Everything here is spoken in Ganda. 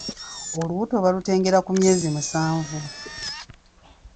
Olubuto balutengera ku myezi musanvu.